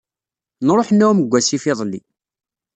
Nruḥ nɛumm deg wasif iḍelli.